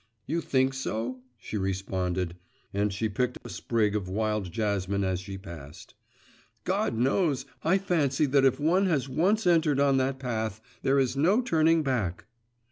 'You think so?' she responded, and she picked a sprig of wild jasmine as she passed. 'God knows! I fancy if one has once entered on that path, there is no turning back.